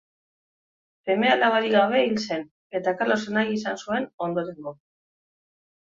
Seme-alabarik gabe hil zen, eta Karlos anaia izan zuen ondorengo.